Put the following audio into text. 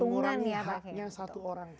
mengurangi haknya satu orang